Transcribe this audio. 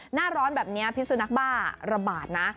หน้าร้อนแบบนี้พิสุนักบ้าระบาดนะ